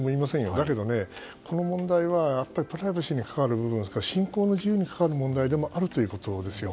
だけどこの問題はプライバシーに関わる部分信仰の自由に関わる部分でもあるということですよ。